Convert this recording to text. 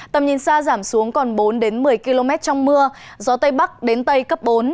tầm nhìn xa giảm xuống còn bốn đến một mươi km trong mưa gió tây bắc đến tây cấp bốn